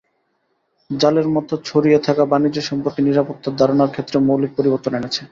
জালের মতো ছড়িয়ে থাকা বাণিজ্য সম্পর্ক নিরাপত্তার ধারণার ক্ষেত্রেও মৌলিক পরিবর্তন এনেছে।